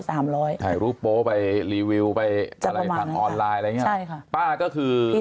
สามร้อยถ่ายรูปโป๊ะไปรีวิวไปออนไลน์อะไรเงี้ยป้าก็คือที่